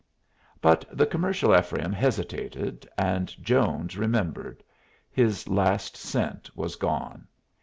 But the commercial Ephraim hesitated, and Jones remembered. His last cent was gone.